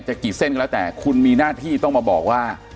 กี่เส้นก็แล้วแต่คุณมีหน้าที่ต้องมาบอกว่า